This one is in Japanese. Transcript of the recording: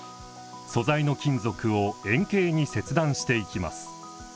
素材の金属を円形に切断していきます。